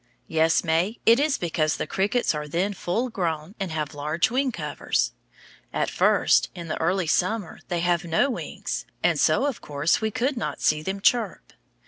Yes, May, it is because the crickets are then full grown, and have large wing covers. At first, in the early summer, they have no wings, and so of course, we could not see them chirp.